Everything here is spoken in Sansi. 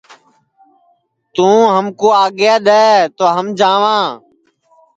توں ہمکُو آیگیا دؔے تو ہم جاواں